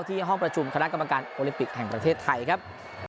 ห้องประชุมคณะกรรมการโอลิมปิกแห่งประเทศไทยครับ